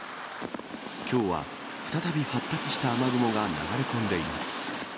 きょうは再び発達した雨雲が流れ込んでいます。